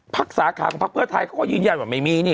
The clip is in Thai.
สาขาของพักเพื่อไทยเขาก็ยืนยันว่าไม่มีนี่